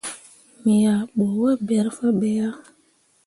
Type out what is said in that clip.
Me yah bu waaberre fah be yah.